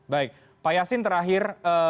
baik pak yasin terakhir